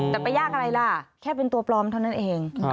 แต่ไปยากอะไรล่ะแค่เป็นตัวปลอมเท่านั้นเอง